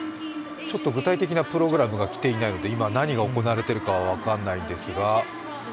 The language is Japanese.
具体的なプログラムが来ていないので今、何が行われているかは分からないんですが。